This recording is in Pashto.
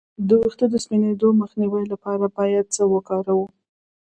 د ویښتو د سپینیدو مخنیوي لپاره باید څه شی وکاروم؟